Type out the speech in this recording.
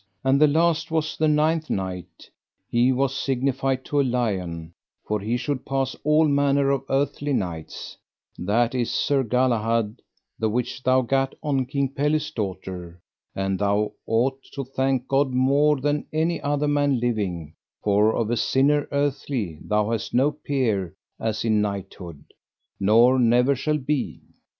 And the last was the ninth knight, he was signified to a lion, for he should pass all manner of earthly knights, that is Sir Galahad, the which thou gat on King Pelles' daughter; and thou ought to thank God more than any other man living, for of a sinner earthly thou hast no peer as in knighthood, nor never shall be.